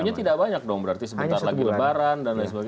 artinya tidak banyak dong berarti sebentar lagi lebaran dan lain sebagainya